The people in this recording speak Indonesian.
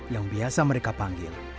yang biasa mereka panggil